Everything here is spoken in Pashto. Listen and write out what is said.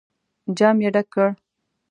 جام يې ډک کړ.